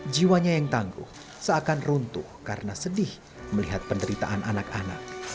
jiwanya yang tangguh seakan runtuh karena sedih melihat penderitaan anak anak